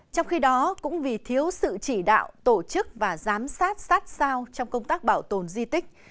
trong khi đó cũng vì thiếu sự chỉ đạo tổ chức và giám sát sát sao trong công tác bảo tồn di tích